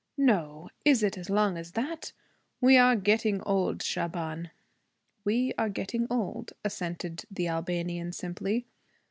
'No! Is it as long as that? We are getting old, Shaban.' 'We are getting old,' assented the Albanian simply.